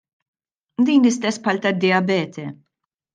Din l-istess bħal tad-diabete.